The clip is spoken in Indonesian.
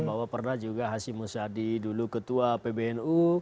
bahwa pernah juga hasim musadi dulu ketua pbnu